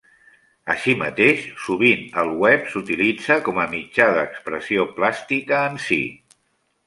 Així mateix, sovint el web s'utilitza com a mitjà d'expressió plàstica en si.